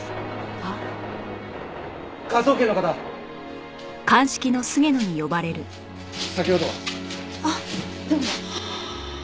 あっどうも。